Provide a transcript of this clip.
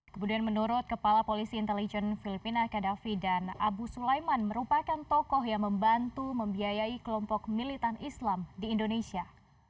kemudian menurut kepala polisi intelijen filipina kadafi dan abu sulaiman merupakan tokoh yang membantu membiayai kelompok militan islam di indonesia